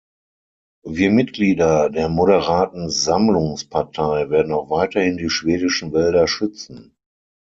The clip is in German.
Wir Mitglieder der Moderaten Sammlungspartei werden auch weiterhin die schwedischen Wälder schützen.